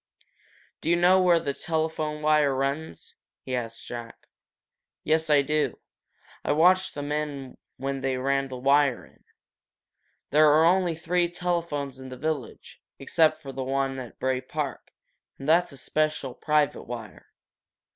"Do you know where the telephone wire runs?" he asked Jack. "Yes, I do," said Jack. "I watched the men when they ran the wire in. There are only three telephones in the village, except for the one at Bray Park, and that's a special, private wire.